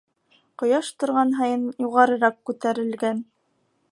Ҡояш торған һайын юғарыраҡ күтәрелгән.